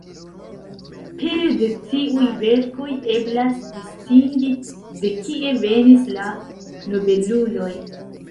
Pere de tiuj verkoj eblas distingi de kie venis la nobeluloj.